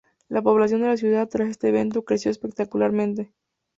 La población de la ciudad tras este evento creció espectacularmente.